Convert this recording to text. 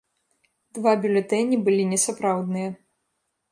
Два бюлетэні былі несапраўдныя.